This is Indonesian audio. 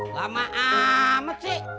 lama amat sih